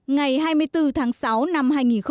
ngày hai mươi bốn tháng sáu năm hai nghìn một mươi bốn